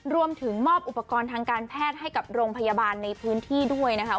รวมถึงมอบอุปกรณ์ทางการแพทย์ให้กับโรงพยาบาลในพื้นที่ด้วยนะคะ